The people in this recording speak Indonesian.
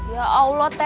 ya allah tete